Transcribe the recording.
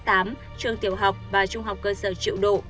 trường tiểu học và trung học cơ sở triệu độ